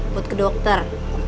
buat ke dokter